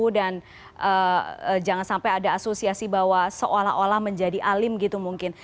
dan jangan sampai ada asosiasi bahwa seolah olah menjadi alim gitu mungkin